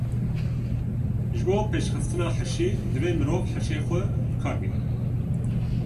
Ji bo pêşxistina hişî, divê mirov hişê xwe bi kar bîne.